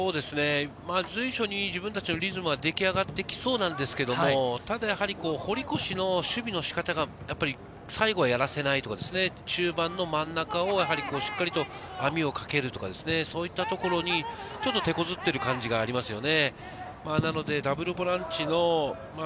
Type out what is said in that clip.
随所に自分たちのリズムはできあがってきそうなんですけれども、ただ堀越の守備の仕方が最後はやらせないところ、中盤の真ん中をしっかり網をかけるとか、そういったところにてこずっている感じがありますね。